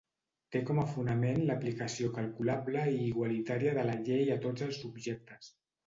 Té com a fonament l'aplicació calculable i igualitària de la llei a tots els subjectes.